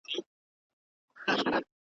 دا خطر به قبلوي چي محوه کیږي .